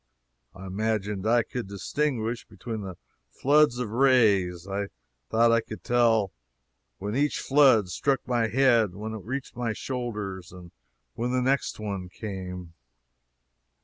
I imagined I could distinguish between the floods of rays I thought I could tell when each flood struck my head, when it reached my shoulders, and when the next one came.